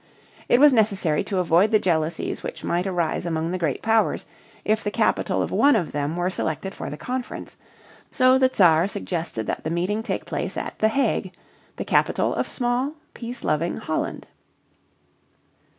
It was necessary to avoid the jealousies which might arise among the great powers if the capital of one of them were selected for the conference, so the Czar suggested that the meeting take place at The Hague, the capital of small, peace loving Holland.